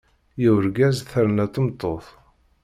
I urgaz terna tmeṭṭut.